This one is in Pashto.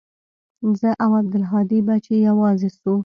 زه او عبدالهادي به چې يوازې سو.